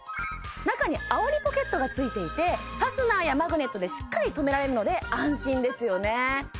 中にあおりポケットが付いていてファスナーやマグネットでしっかり留められるので安心ですよね